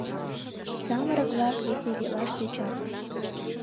Самырык-влак веселитлаш тӧчат.